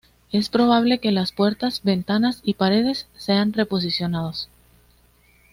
Es probable que las puertas, ventanas y paredes sean re-posicionados.